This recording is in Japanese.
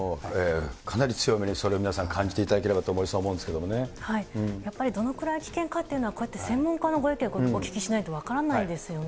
かなり強めにそれを皆さんに感じてもらえればと、森さん、思うんやっぱりどのくらい危険かというのは、専門家のご意見をお聞きしないと分からないですよね。